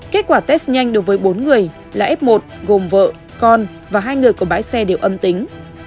kết quả test nhanh đối với bốn người là f một gồm vợ con và hai người của bãi xe đều âm tính